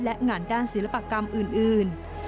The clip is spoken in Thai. และงานด้านศิลปกรรมอื่น